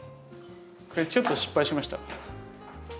これちょっと失敗しました。